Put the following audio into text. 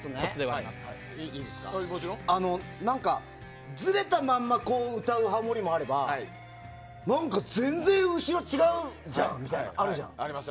あとね、ずれたまんま歌うハモリもあれば全然後ろ違うじゃんみたいなのあるじゃん。